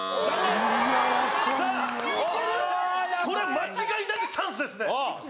これは間違いなくチャンスですね！